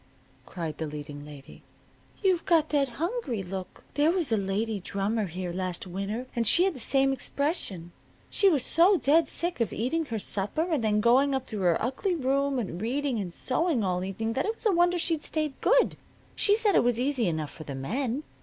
cried the leading lady. "You've got that hungry look. There was a lady drummer here last winter, and she had the same expression. She was so dead sick of eating her supper and then going up to her ugly room and reading and sewing all evening that it was a wonder she'd stayed good. She said it was easy enough for the men.